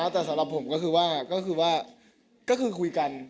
แต่สำหรับผมก็คือว่าก็คือคุยกัน